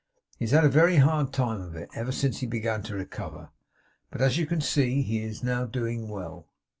He has had a very hard time of it, ever since he began to recover; but, as you see, he is now doing well.